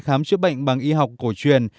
khám chữa bệnh bằng y học cổ truyền